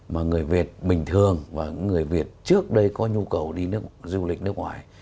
mà người việt bình thường và người việt trước đây có nhu cầu đi du lịch nước ngoài